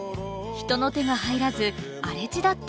人の手が入らず荒れ地だった